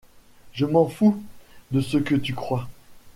Je m’en fous de ce que tu crois.